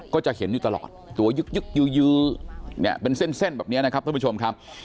ก็จะเห็นอยู่ตลอดตัวยึกยื้อเนี่ยเป็นเส้นแบบนี้นะครับท่านผู้ชมครับ